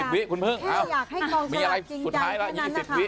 ๒๐วิคุณพึ่งมีอะไรสุดท้ายแล้ว๒๐วิคุณพึ่ง